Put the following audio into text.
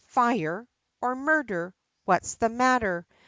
Fire? or Murder? What's the matter?"